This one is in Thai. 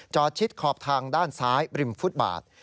จอดจิ๊ดขอบทางด้านซ้ายพริมฟุตบาตอ์